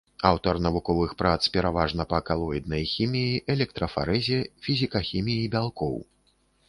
Аўтар навуковых прац пераважна па калоіднай хіміі, электрафарэзе, фізікахіміі бялкоў.